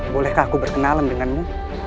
bolehkah aku berkenalan denganmu